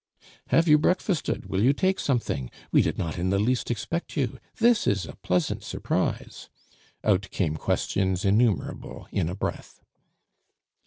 "Have you breakfasted? Will you take something? We did not in the least expect you! This is a pleasant surprise!" Out came questions innumerable in a breath.